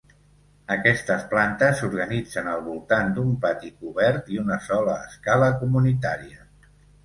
Aquestes plantes s'organitzen al voltant d'un pati cobert i una sola escala comunitària.